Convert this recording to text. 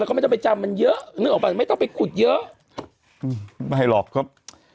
ก็ไม่ต้องไปจำมันเยอะนึกออกไปไม่ต้องไปขุดเยอะล่ะขับ